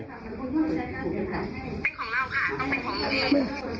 เป็นของเราค่ะต้องเป็นของเราเอง